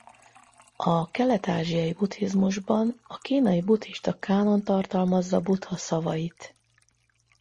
A kelet-ázsiai buddhizmusban a kínai buddhista kánon tartalmazza Buddha szavait.